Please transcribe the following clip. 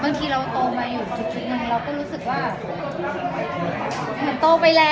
บางทีเราโตไปอยู่ทุกที่เลย